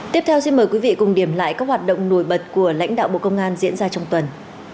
tiếp theo xin mời quý vị cùng điểm lại các hoạt động nổi bật của lãnh đạo bộ công an diễn ra trong tuần